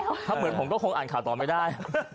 ถ้าเหมือนผมก็คงอ่านข่าวต่อไม่ได้